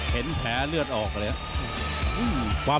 ติดตามยังน้อยกว่า